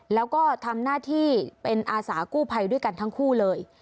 แล้วก็ทำหน้าที่เป็นอาสากู้ภัยด้วยกันทั้งคู่เลย